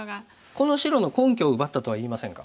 この白の根拠を奪ったとは言えませんか？